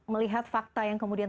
melihat fakta yang kemudian